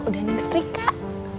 udah nyestri kak